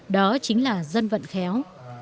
đó chính là dân vận khéo